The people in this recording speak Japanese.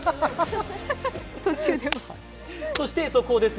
そして速報です。